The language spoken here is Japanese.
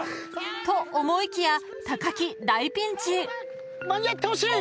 ［と思いきや木大ピンチ］間に合ってほしい！